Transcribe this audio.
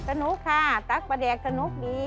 สนุกค่ะตั๊กประแดงสนุกดี